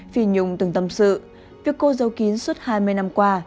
phi nhung từng tâm sự việc cô dâu kín suốt hai mươi năm qua